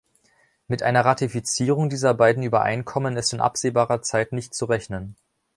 Mit einer Ratifizierung dieser beiden Übereinkommen ist in absehbarer Zeit nicht zu rechnen.